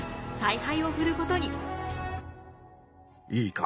いいか。